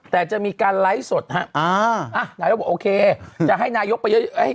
แต่จะมีการไลฟ์สดฮะอ่านายกบอกโอเคจะให้นายกไปเยอะ